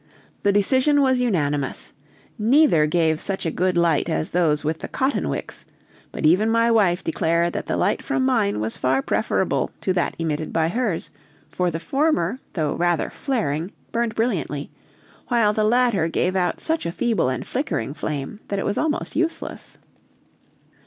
The decision was unanimous: neither gave such a good light as those with the cotton wicks; but even my wife declared that the light from mine was far preferable to that emitted by hers, for the former, though rather flaring, burned brilliantly, while the latter gave out such a feeble and flickering flame that it was almost useless.